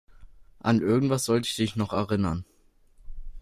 An irgendwas sollte ich dich noch erinnern.